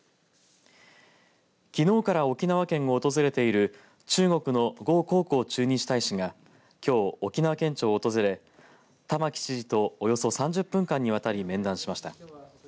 きのうから沖縄県を訪れている中国の呉江浩駐日大使がきょう、沖縄県庁を訪れ玉城知事とおよそ３０分間にわたり面談しました。